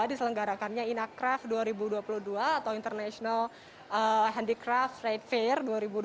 jadi selenggarakannya inacraft dua ribu dua puluh dua atau international handicraft trade fair dua ribu dua puluh dua